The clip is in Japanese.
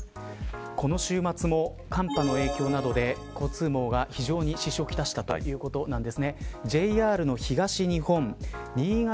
この週末も寒波の影響などで交通網が非常に支障をきたしたということなんです。